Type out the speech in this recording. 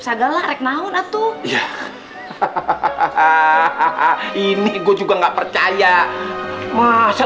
segala rek naon atau hahaha ini gue juga nggak percaya masa